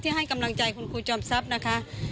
ให้กำลังใจคุณครูจอมทรัพย์นะคะ